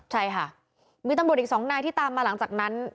ใช่ค่ะมีตำรวจอีก๒นายที่ตามมาหลังจากนั้น